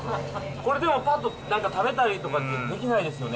これでも、なんかぱっと食べたりとかってできないですよね？